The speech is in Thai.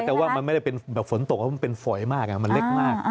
แต่ว่ามันไม่ได้เป็นแบบฝนตกเพราะมันเป็นฝอยมากมันเล็กมาก